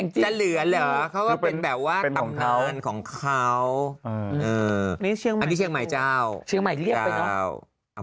จะเหลือเหรอเขาก็เป็นแบบว่าต่างด้านของเขาอันนี้เชียงใหม่เจ้า